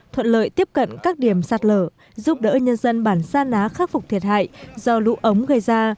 thuận lợi tiếp cận các điểm sạt lở giúp đỡ nhân dân bản sa ná khắc phục thiệt hại do lũ ống gây ra